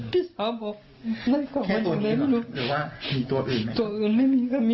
พี่สาวบอกแค่ตัวนี้หรอหรือว่ามีตัวอื่นไหมครับ